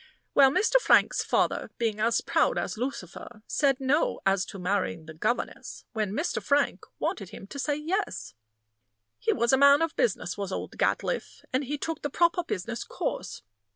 Well, Mr. Frank's father, being as proud as Lucifer, said "No," as to marrying the governess, when Mr. Frank wanted him to say "Yes." He was a man of business, was old Gatliffe, and he took the proper business course.